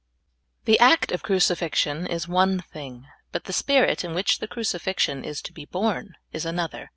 THE act of crucifixion is one thing, but the Spirit in which the crucifixion is to be borne is another.